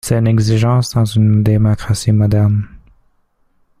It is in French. C’est une exigence dans une démocratie moderne.